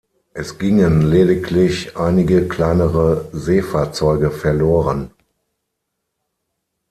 Es gingen lediglich einige kleinere Seefahrzeuge verloren.